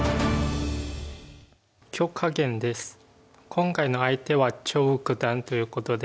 今回の相手は張栩九段ということで。